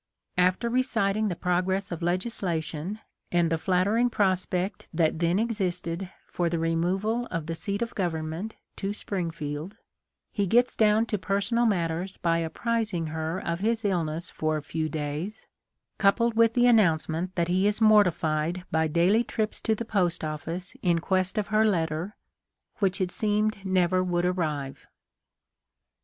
After reciting the progress of legislation and the flattering prospect that then existed for the removal of the seat of government to Springfield, he gets down to personal matters by apprising her of his illness for a few days, coupled with the announcement that he is mortified by daily trips to the post office in quest of her letter, which it seemed never would arrive.